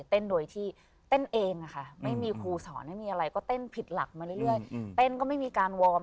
เต้นโดยที่เต้นเองค่ะ